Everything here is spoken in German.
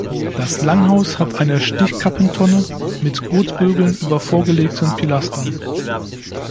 Das Langhaus hat eine Stichkappentonne mit Gurtbögen über vorgelegten Pilastern.